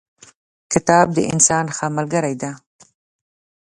کتاب د انسان ښه ملګری دی.